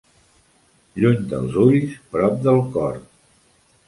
Lluny dels ulls, prop del cor.